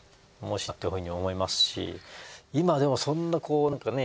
っていうふうには思いますし今でもそんなこうなんかね。